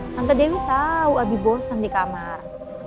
tante dewi tau abi bosan di kamar